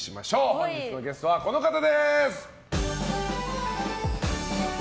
本日のゲスト、この方です。